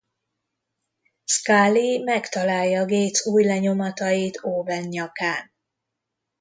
Scully megtalálja Gates ujjlenyomatait Owen nyakán.